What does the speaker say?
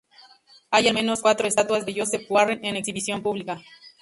Hay al menos cuatro estatuas de Joseph Warren en exhibición pública.